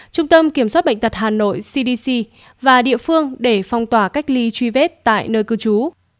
trung tâm kiểm soát bệnh tật hà nội cdc và địa phương để phong tỏa cách ly truy vết tại nơi cư trú